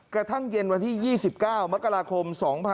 กระทั่งเย็นวันที่๒๙มกราคม๒๕๖๒